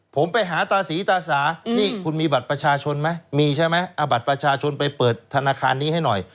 ผมไปหาตาศรีตาสานี่คุณมีบัตรประชาชนไหมมีใช่ไหมเอาบัตรประชาชนไปเปิดธนาคารนี้ให้หน่อย